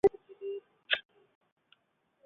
室町时代三大管领之一。